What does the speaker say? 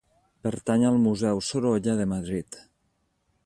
Pertany al Museu Sorolla de Madrid.